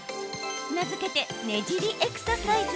名付けて、ねじりエクササイズ。